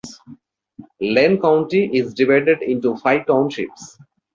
Lane County is divided into five townships.